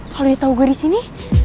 kalau ditau gue disini